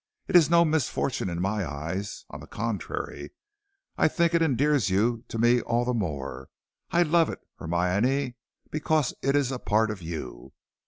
"It is no misfortune in my eyes; on the contrary, I think it endears you to me all the more. I love it, Hermione, because it is a part of you.